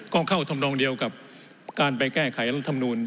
ก็เข้าทำนองเดียวกับการไปแก้ไขรัฐมนูล